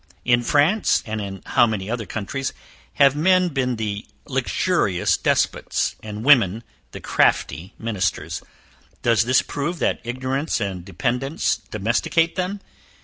In France, and in how many other countries have men been the luxurious despots, and women the crafty ministers? Does this prove that ignorance and dependence domesticate them?